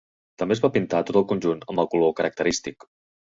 També es va pintar tot el conjunt amb el color característic.